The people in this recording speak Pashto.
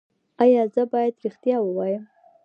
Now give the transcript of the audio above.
ایا زه باید ریښتیا ووایم؟